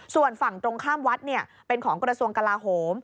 ส่วนฝั่งตรงข้ามวัดเนี่ยเป็นของกรสวงกราโฮม